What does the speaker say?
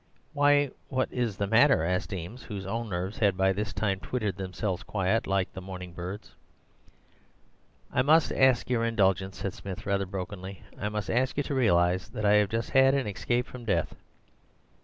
"'Why, what is the matter?' asked Eames, whose own nerves had by this time twittered themselves quiet, like the morning birds. "'I must ask your indulgence,' said Smith, rather brokenly. 'I must ask you to realize that I have just had an escape from death.